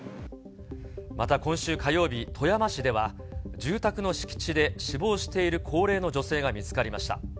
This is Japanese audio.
また今週火曜日、富山市では、住宅の敷地で死亡している高齢の女性が見つかりました。